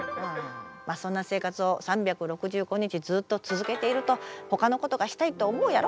まあそんな生活を３６５日ずっと続けているとほかのことがしたいって思うやろ？